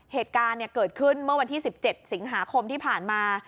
เหตุการณ์เกิดขึ้นเมื่อวันที่๑๗สิงหาคมที่ผ่านมา